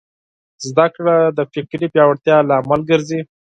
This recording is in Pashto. زدهکړه د فکري پیاوړتیا لامل ګرځي.